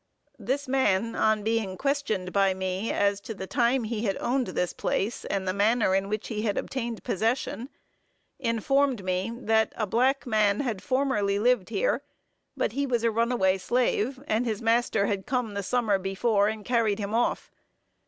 This man, on being questioned by me, as to the time he had owned this place, and the manner in which he had obtained possession, informed me, that a black man had formerly lived here; but he was a runaway slave, and his master had come, the summer before, and carried him off.